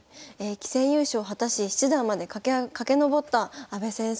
棋戦優勝を果たし七段まで駆けのぼった阿部先生。